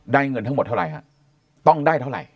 เงินทั้งหมดเท่าไหร่ฮะต้องได้เท่าไหร่